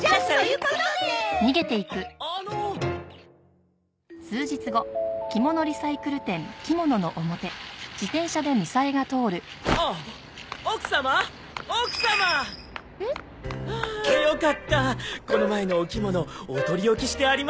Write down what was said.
この前のお着物お取り置きしてありますよ！